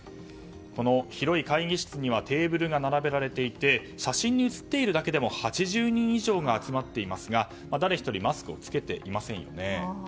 この広い会議室にはテーブルが並べられていて写真に写っているだけでも８０人以上が集まっていますが誰１人マスクを着けていませんよね。